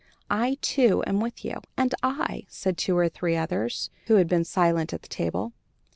"I, too, am with you," "And I," said two or three others, who had been silent at the table.